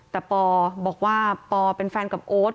แต่ปอบอกว่าปอเป็นแฟนกับโอ๊ต